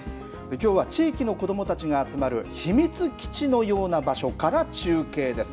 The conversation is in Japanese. きょうは地域の子どもたちが集まる秘密基地のような場所から中継です。